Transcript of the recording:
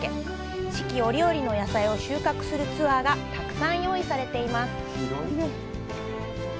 四季折々の野菜を収穫するツアーがたくさん用意されています。